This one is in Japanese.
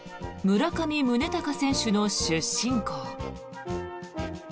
村上宗隆選手の出身校。